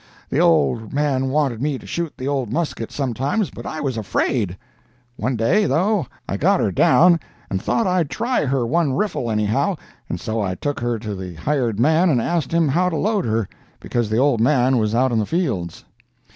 The old man wanted me to shoot the old musket sometimes, but I was afraid. One day, though, I got her down and thought I'd try her one riffle, anyhow, and so I took her to the hired man and asked him how to load her, because the old man was out in the fields.